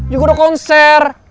juga udah konser